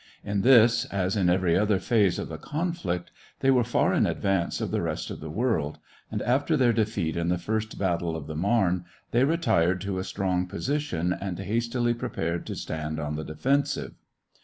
In this, as in every other phase of the conflict, they were far in advance of the rest of the world, and after their defeat in the First Battle of the Marne, they retired to a strong position and hastily prepared to stand on the defensive.